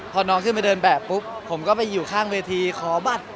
พอน้องขึ้นไปเดินแบบปุ๊บผมก็ไปอยู่ข้างเวทีขอบัตร